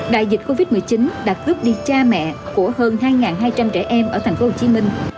đại dịch covid một mươi chín đã cướp đi cha mẹ của hơn hai hai trăm linh trẻ em ở thành phố hồ chí minh